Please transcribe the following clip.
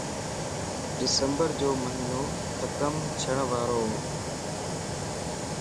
ڊسمبر جو مھينو ختم ڇڻ وارووَ